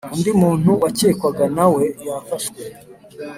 undi muntu wacyekwaga nawe yafashwe